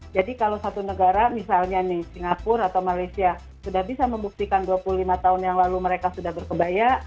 jadi kalau satu negara misalnya singapura atau malaysia sudah bisa membuktikan dua puluh lima tahun yang lalu mereka sudah berkebaya